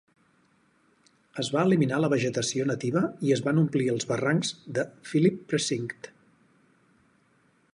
Es va eliminar la vegetació nativa i es van omplir els barrancs de Phillip Precinct.